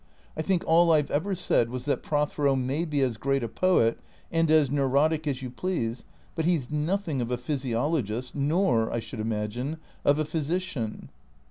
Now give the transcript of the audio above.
I think all I 've ever said was that Prothero may be as great a poet, and as neurotic as you please, but he 's nothing of a physiologist, nor, I should imagine, of a physician."